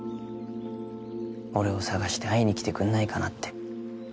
俺を探して会いに来てくんないかなって。